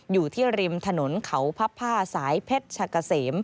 อยู่ที่ริมถนนเขาพับผ้าสายเพชรชะกะเสม